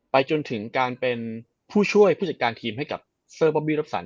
จนถึงการเป็นผู้ช่วยผู้จัดการทีมให้กับเซอร์บอบบี้รับสัน